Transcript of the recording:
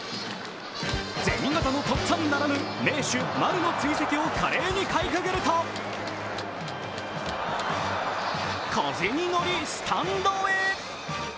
銭形とっつぁんならぬ名手・丸の追跡を華麗にかいくぐると風に乗り、スタンドへ。